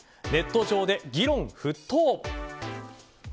ネット上で議論沸騰。